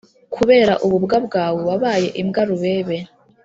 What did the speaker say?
Kubera ububwa bwawe wabaye imbwa Rubebe